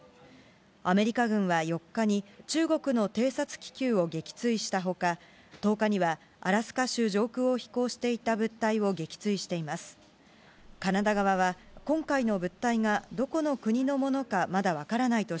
アメリカ軍は４日に、中国の偵察気球を撃墜したほか、１０日にはアラスカ州上空を飛行していた物体を撃墜しています。